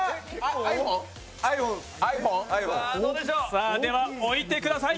さあ、置いてください。